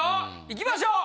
いきましょう！